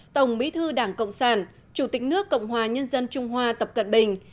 tổng bí thư đảng cộng sản chủ tịch nước cộng hòa nhân dân trung hoa tập cận bình